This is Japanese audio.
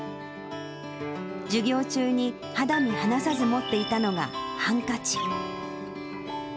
授業中に肌身離さず持っていたのがハンカチ。